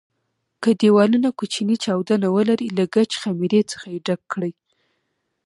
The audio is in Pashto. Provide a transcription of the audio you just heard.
که دېوالونه کوچني چاودونه ولري له ګچ خمېرې څخه یې ډک کړئ.